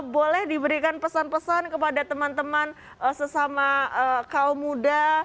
boleh diberikan pesan pesan kepada teman teman sesama kaum muda